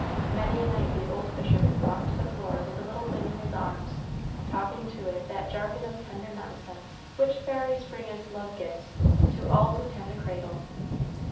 Many a night the old fisherman walked the floor with the little thing in his arms, talking to it that jargon of tender nonsense which fairies bring as love gifts to all who tend a cradle.